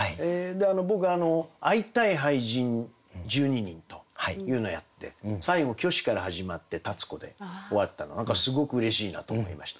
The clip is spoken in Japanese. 僕「会いたい俳人、１２人」というのをやって最後虚子から始まって立子で終わったの何かすごくうれしいなと思いました。